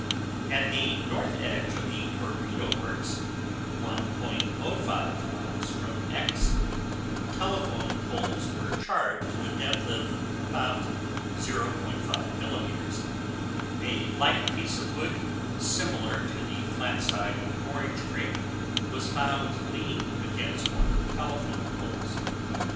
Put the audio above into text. At the north edge of the Torpedo works, 1.05 miles from X, telephone poles were charred to a depth of about 0.5 millimeters. A light piece of wood similar to the flat side of an orange crate, was found leaning against one of the telephone poles.